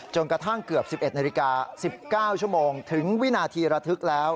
จนกระทั่งเกือบ๑๑นาฬิกา๑๙ชั่วโมงถึงวินาทีระทึกแล้ว